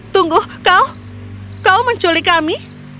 tunggu kau menculik kami